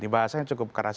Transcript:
bahasanya cukup keras